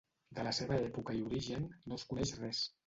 De la seva època i origen no es coneix res.